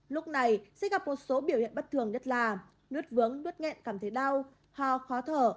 lúc này sẽ gặp một số biểu hiện bất thường nhất là nướt vướng nết nghẹn cảm thấy đau ho khó thở